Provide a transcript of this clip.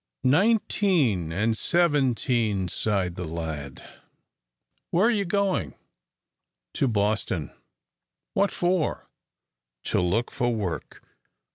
"Nineteen and seventeen," sighed the lad. "Where are you going?" "To Boston." "What for?" "To look for work."